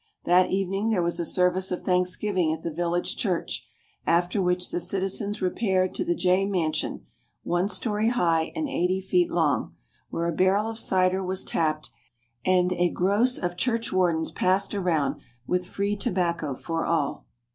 That evening there was a service of thanksgiving at the village church, after which the citizens repaired to the Jay mansion, one story high and eighty feet long, where a barrel of cider was tapped, and "a groce of Church Wardens" passed around, with free tobacco for all.